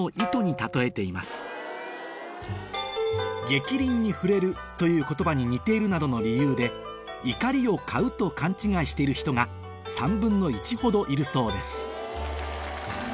「逆鱗に触れる」という言葉に似ているなどの理由で「怒りを買う」と勘違いしている人が３分の１ほどいるそうです